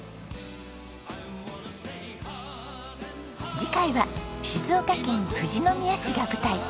次回は静岡県富士宮市が舞台。